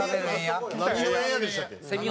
何のエンヤでしたっけ？